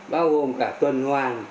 bao gồm cả tuần hoàng